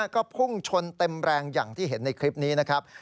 ก็พุ่งชนเต็มแรงอย่างที่เห็นในคลิปนี้นะครับ